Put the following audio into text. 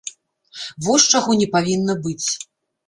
Вось чаго не павінна быць!